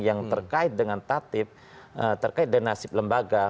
yang terkait dengan tatib terkait dengan nasib lembaga